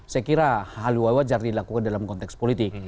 saya kira hal wajar dilakukan dalam konteks politik